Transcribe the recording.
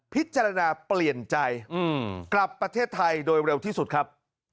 พิจารณาเปลี่ยนใจกลับประเทศไทยโดยเร็วที่สุดครับ